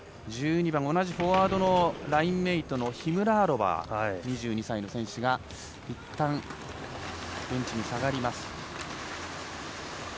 同じフォワードのラインメートのヒムラーロバー、２１歳の選手がいったんベンチに下がります。